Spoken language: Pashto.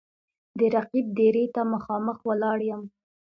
د رقیب دېرې ته مـــخامخ ولاړ یـــم